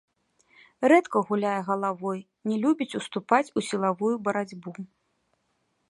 Рэдка гуляе галавой, не любіць уступаць у сілавую барацьбу.